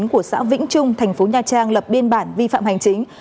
của xã vĩnh trung thành phố nha trang lập biên bản vi phạm hành chính